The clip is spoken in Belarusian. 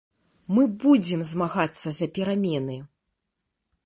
Мы будзем змагацца за перамены!